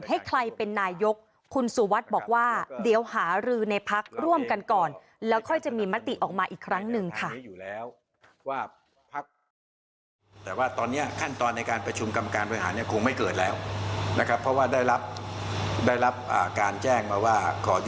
แจ้งมาว่าขอยุติการเจรจา